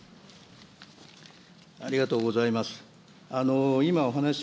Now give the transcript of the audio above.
ありがとうございます。